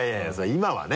今はね。